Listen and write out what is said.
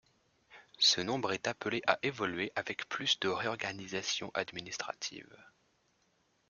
Ce nombre est appelé à évoluer avec plus de réorganisation administrative.